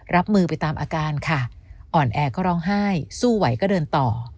รับมือไปตามอาการค่ะอ่อนแอก็ร้องไห้สู้ไหวก็เดินต่อ